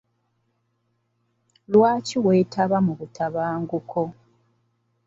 Lwaki weetaba mu butabanguko?